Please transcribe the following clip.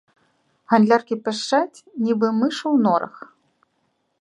Гандляркі пішчаць, нібы мышы ў норах.